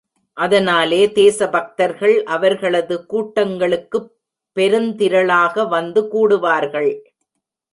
அதனாலே தேசபக்தர்கள் அவர்களது கூட்டங்களுக்குப் பெருந்திரளாக வந்து கூடுவார்கள்.